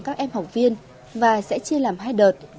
hai trăm linh các em học viên và sẽ chia làm hai đợt